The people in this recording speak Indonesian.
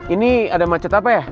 ini ada macet apa ya